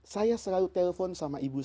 saya selalu telpon sama ibu saya